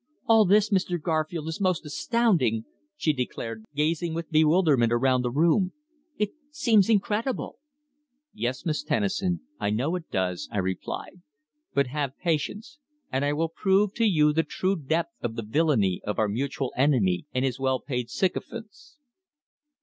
"All this, Mr. Garfield, is most astounding!" she declared, gazing with bewilderment around the room. "It seems incredible!" "Yes, Miss Tennison, I know it does," I replied. "But have patience, and I will prove to you the true depth of the villainy of our mutual enemy and his well paid sycophants."